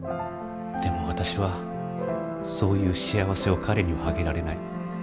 でも私はそういう幸せを彼にはあげられない。